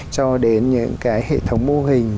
cho đến những cái hệ thống mô hình